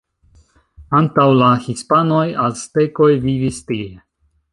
Antaŭ la hispanoj aztekoj vivis tie.